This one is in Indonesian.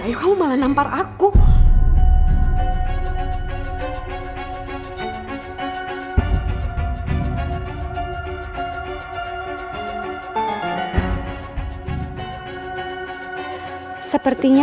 ayo kamu malah nampak aku gak berani ya